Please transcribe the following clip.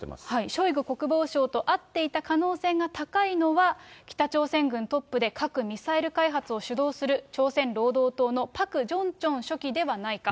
ショイグ国防相と会っていた可能性が高いのは、北朝鮮軍トップで、核・ミサイル開発を主導する、朝鮮労働党のパク・ジョンチョン書記ではないか。